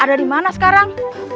ada di mana sekarang